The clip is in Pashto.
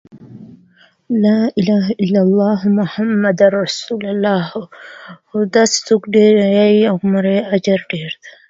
او لړ شوي لفظونه راته په خپله شاعرۍ کې